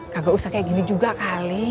kagak usah kayak gini juga kali